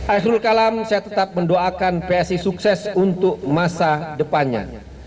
aisrul kalam saya tetap mendoakan psi sukses untuk masa depannya